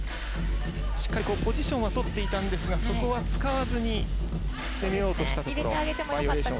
しっかりポジションをとっていたんですがそこは使わずに攻めようとしたところバイオレーション。